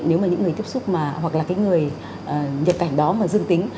nếu mà những người tiếp xúc mà hoặc là cái người nhập cảnh đó mà dương tính